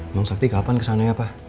emang sakti kapan kesana ya pa